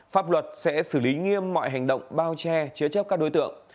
pháp luật sẽ xử lý nghiêm mọi hành động bao che chứa chấp các đối tượng